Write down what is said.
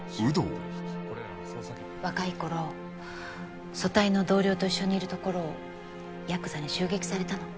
若い頃組対の同僚と一緒にいるところをヤクザに襲撃されたの。